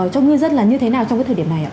cho ngư dân là như thế nào trong cái thời điểm này ạ